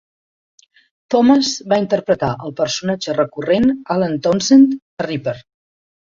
Thomas va interpretar el personatge recurrent Alan Townsend a Reaper.